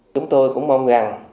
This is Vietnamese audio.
chúng tôi cũng mong rằng